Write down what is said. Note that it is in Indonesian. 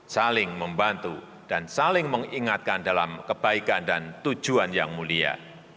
saling membantu dan saling mengingatkan dalam kebaikan dan tujuan yang mulia